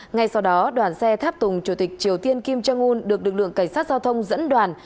ngay sau đó đoàn xe tháp tùng chủ tịch triều tiên kim jong un được lực lượng cảnh sát giao thông dẫn đoàn